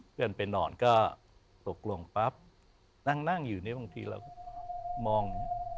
เพื่อนไปนอนก็ตกลงปั๊บนั่งอยู่นี่บางทีเราก็มอง